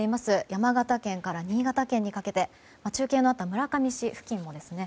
山形県から新潟県にかけて中継のあった村上市付近もですね。